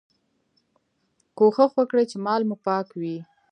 کوښښ وکړئ چي مال مو پاک وي.